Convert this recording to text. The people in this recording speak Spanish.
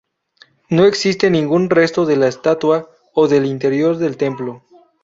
No existe ningún resto de la estatua o del interior del templo.